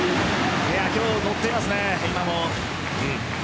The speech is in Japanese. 今日、乗っていますね。